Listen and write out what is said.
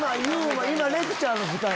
今レクチャーの時間や。